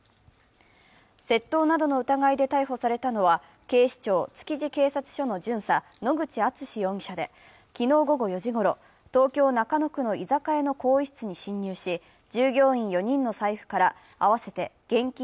窃盗などの疑いで逮捕されたのは、警視庁・築地警察署の巡査、野口敦史容疑者で、昨日午後４時ごろ、東京・中野区の居酒屋の更衣室に侵入し、従業員４人の財布から合わせて現金